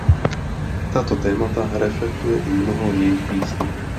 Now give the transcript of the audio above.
Tato témata reflektuje i mnoho jejích písní.